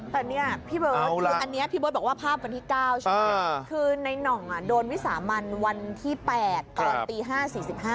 แต่เนี่ยพี่เบิร์ตคืออันนี้พี่เบิร์ตบอกว่าภาพวันที่๙ใช่ไหมคือในน่องโดนวิสามันวันที่๘ตอนตี๕๔๕